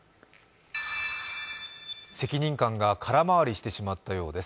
責任感が空回りしてしまったようです。